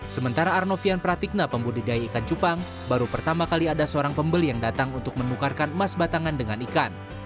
sementara arnovian pratikna pembudidaya ikan cupang baru pertama kali ada seorang pembeli yang datang untuk menukarkan emas batangan dengan ikan